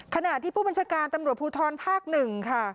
ขณะที่ผู้บัญชาการตำรวจภูทรภาค๑ค่ะ